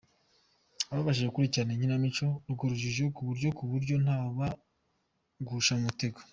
Ababashije gukurikira iyi kinamico, urwo rujijo ku buryo ku buryo ntawabagusha mu mutego.